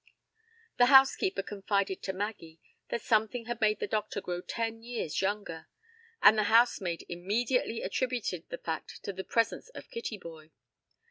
The housekeeper confided to Maggie that something had made the doctor grow ten years younger, and the housemaid immediately attributed the fact to the presence of Kittyboy.